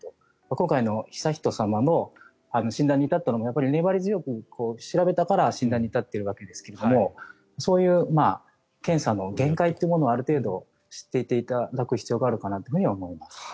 今回の悠仁さまの診断に至ったのも粘り強く調べたから診断に至っているわけですがそういう検査の限界というものをある程度知っていただく必要があるかと思います。